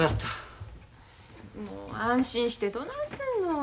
もう安心してどないすんの。